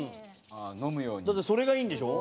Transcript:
それがいいんでしょ？